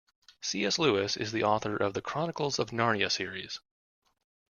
C.S. Lewis is the author of The Chronicles of Narnia series.